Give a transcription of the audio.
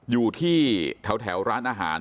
อยู่ที่แถวร้านอาหาร